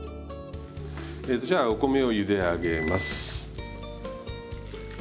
えとじゃあお米をゆで上げます。